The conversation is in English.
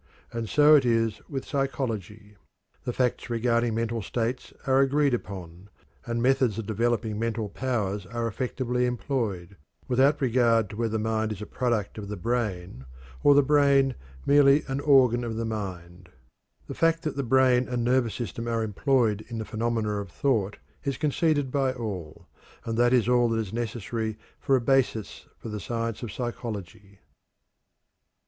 And so it is with psychology; the facts regarding mental states are agreed upon, and methods of developing mental powers are effectively employed, without regard to whether mind is a product of the brain, or the brain merely an organ of the mind. The fact that the brain and nervous system are employed in the phenomena of thought is conceded by all, and that is all that is necessary for a basis for the science of psychology.